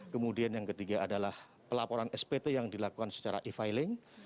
kemudian yang ketiga adalah pelaporan spt yang dilakukan secara e filing